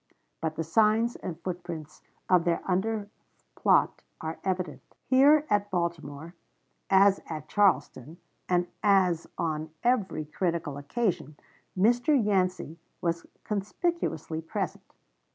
But the signs and footprints of their underplot are evident. Here at Baltimore, as at Charleston, and as on every critical occasion, Mr. Yancey was conspicuously present.